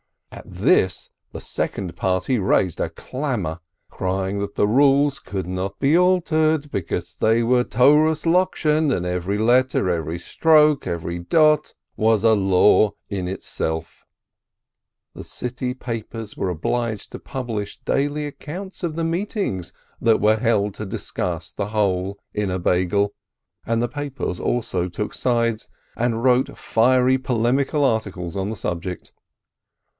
At this the second party raised a clamor, crying that the rules could not be altered, because they were Toras Lokshen and every let ter, every stroke, every dot was a law in itself ! The city papers were obliged to publish daily accounts of the meetings that were held to discuss the hole in a Beigel, and the papers also took sides, and wrote fiery polemical articles on the subject.